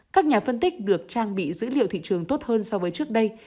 các nhà phân tích được trang bị dữ liệu thị trường tốt hơn so với trước đây